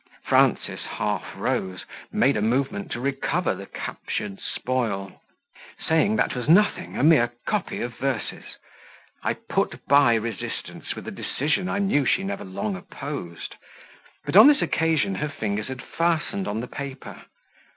Frances half rose, made a movement to recover the captured spoil, saying, that was nothing a mere copy of verses. I put by resistance with the decision I knew she never long opposed; but on this occasion her fingers had fastened on the paper.